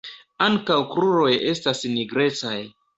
Ankaŭ kruroj estas nigrecaj.